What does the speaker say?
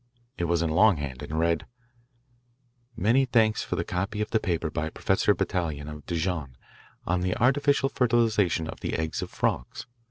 It was in longhand and read: *Many thanks for the copy of the paper by Prof. Betallion of Dijon on the artificial fertilization of the eggs of frogs.